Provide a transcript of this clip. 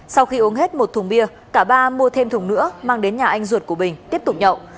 sau khi uống hết một thùng bia cả ba mua thêm thùng nữa mang đến nhà anh ruột của bình tiếp tục nhậu